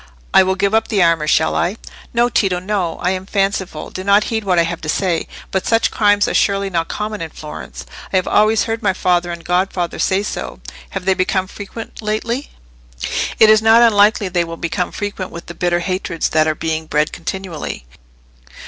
I will give up the armour—shall I?" "No, Tito, no. I am fanciful. Do not heed what I have said. But such crimes are surely not common in Florence? I have always heard my father and godfather say so. Have they become frequent lately?" "It is not unlikely they will become frequent, with the bitter hatreds that are being bred continually."